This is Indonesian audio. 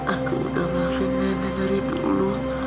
aku udah ngelafin nenek dari dulu